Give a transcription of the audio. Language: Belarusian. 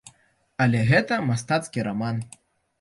Але гэта мастацкі раман.